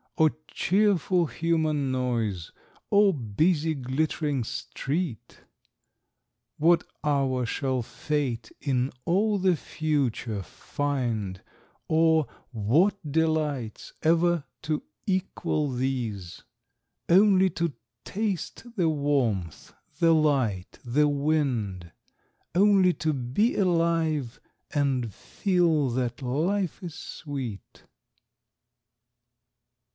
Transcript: O cheerful human noise, O busy glittering street! What hour shall Fate in all the future find, Or what delights, ever to equal these: Only to taste the warmth, the light, the wind, Only to be alive, and feel that life is sweet?